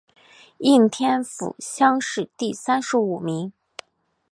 应天府乡试第三十五名。